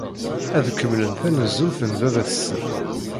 Ad kemmlen tanezzut n baba-tsen.